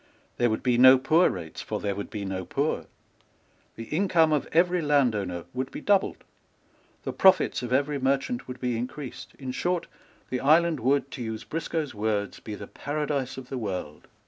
There would be no poor rates; for there would be no poor. The income of every landowner would be doubled. The profits of every merchant would be increased. In short, the island would, to use Briscoe's words, be the paradise of the world.